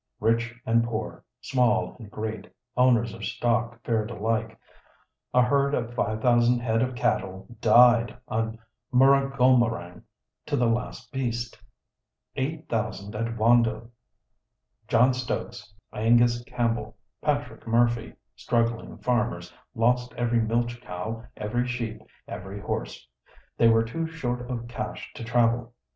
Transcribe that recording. Rich and poor, small and great, owners of stock fared alike. A herd of five thousand head of cattle died on Murragulmerang to the last beast. Eight thousand at Wando. John Stokes, Angus Campbell, Patrick Murphy, struggling farmers, lost every milch cow, every sheep, every horse. They were too short of cash to travel.